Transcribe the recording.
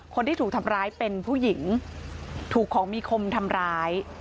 คนที่ถูกทำร้ายเป็นผู้หญิงถูกของมีคมทำร้าย